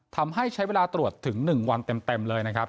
ทำให้ใช้เวลาตรวจถึง๑วันเต็มเลยนะครับ